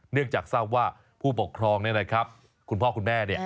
เนื่องจากทราบว่าผู้ปกครองคุณพ่อคุณแม่